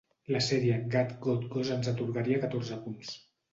La sèrie gat-got-gos ens atorgaria catorze punts.